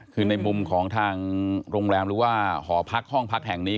คือในมุมของทางโรงแรมหรือว่าหอพักห้องพักแห่งนี้